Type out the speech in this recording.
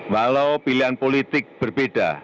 walau pilihan politik berbeda